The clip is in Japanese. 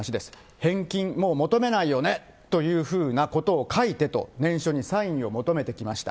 返金、もう求めないよねというふうなことを書いてと、念書にサインを求めてきました。